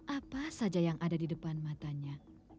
apa saja yang ada di depan matanya